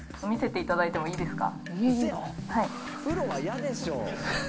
見せていただいてもいいですか？